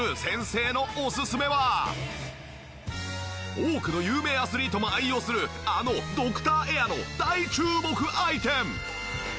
多くの有名アスリートも愛用するあのＤＯＣＴＯＲＡＩＲの大注目アイテム！